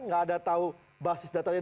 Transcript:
nggak ada tahu basis datanya